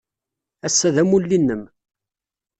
Ass-a d amulli-nnem.